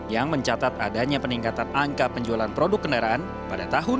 yang mencatat adanya peningkatan angka penjualan produk kendaraan pada tahun dua ribu dua puluh